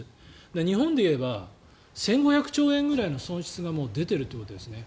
日本でいえば１５００兆円ぐらいの損失がもう出ているということですね。